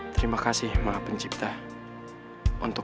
terima kasih maaf pencipta untuk